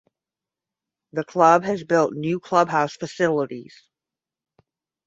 The club has built new clubhouse facilities.